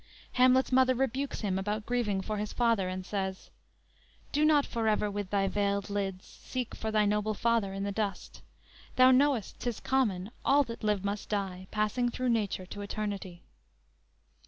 "_ Hamlet's mother rebukes him about grieving for his father, and says: _"Do not forever with thy veiled lids Seek for thy noble father in the dust; Thou knowest 'tis common, all that live must die, Passing through nature to eternity!"